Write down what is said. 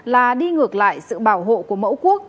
là đi ngược lại sự bảo hộ của mẫu quốc